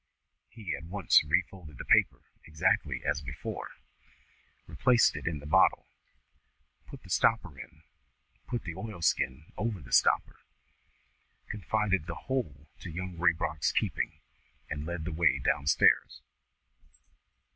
He at once refolded the paper exactly as before, replaced it in the bottle, put the stopper in, put the oilskin over the stopper, confided the whole to Young Raybrock's keeping, and led the way down stairs.